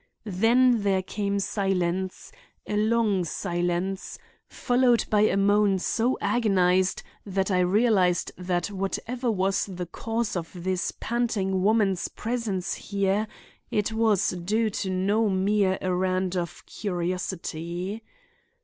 Then there came silence—a long silence—followed by a moan so agonized that I realized that whatever was the cause of this panting woman's presence here, it was due to no mere errand of curiosity.